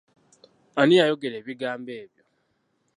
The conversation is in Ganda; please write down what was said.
Ani yayogera ebigambo ebyo?